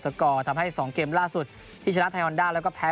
กอร์ทำให้๒เกมล่าสุดที่ชนะไทยฮอนด้าแล้วก็แพ้